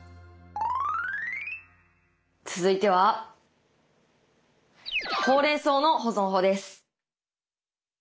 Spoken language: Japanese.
続いてはほうれんそうの保存法です。